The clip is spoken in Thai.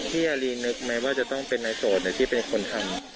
พี่อารีนึกไหมว่าจะต้องเป็นในโสดหรือที่เป็นคนทำ